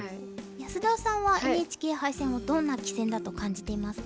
安田さんはＮＨＫ杯戦をどんな棋戦だと感じていますか？